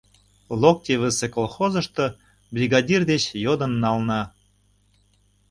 — Локтевысе колхозышто бригадир деч йодын нална.